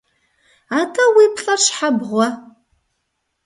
АтӀэ, уи плӀэр щхьэ бгъуэ?